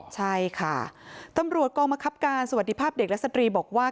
ใช่ค่ะตำรวจกองมะครับการสวัสดีภาพเด็กและสตรีบอกว่า